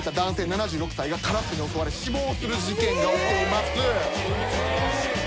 ７６歳がカラスに襲われ死亡する事件が起きております。